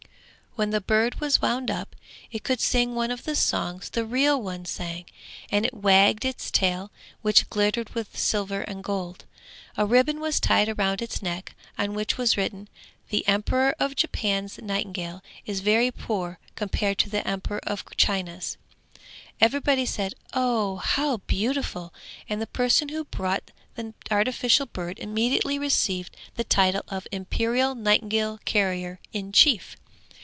When the bird was wound up it could sing one of the songs the real one sang, and it wagged its tail, which glittered with silver and gold. A ribbon was tied round its neck on which was written, 'The Emperor of Japan's nightingale is very poor compared to the Emperor of China's.' Everybody said, 'Oh, how beautiful!' And the person who brought the artificial bird immediately received the title of Imperial Nightingale Carrier in Chief.